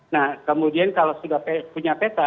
nah kemudian kalau sudah punya peta